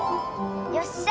よっしゃ！